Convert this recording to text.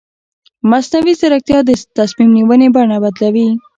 مصنوعي ځیرکتیا د تصمیم نیونې بڼه بدلوي.